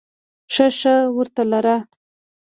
ښه ښه ورته لره !